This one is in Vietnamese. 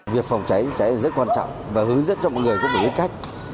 việc phòng cháy cháy rất quan trọng và hướng dẫn cho mọi người có biết cách